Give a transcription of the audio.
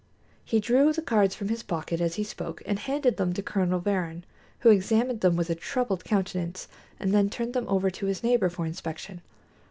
He drew the cards from his pocket as he spoke and handed them to Colonel Varrin, who examined them with a troubled countenance and then turned them over to his neighbor for inspection.